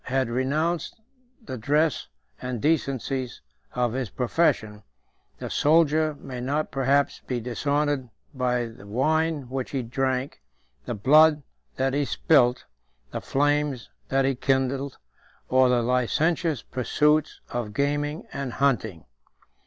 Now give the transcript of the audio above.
had renounced the dress and decencies of his profession, the soldier may not perhaps be dishonored by the wine which he drank, the blood that he spilt, the flames that he kindled, or the licentious pursuits of gaming and hunting.